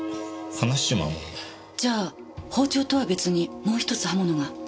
じゃあ包丁とは別にもう一つ刃物が。